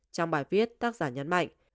trong bài viết tác giả nhấn mạnh